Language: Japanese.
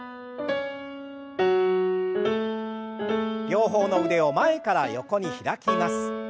両方の腕を前から横に開きます。